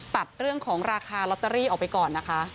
ตัดเรื่องของราคาลอตเตอรี่ออกไปก่อนนะคะ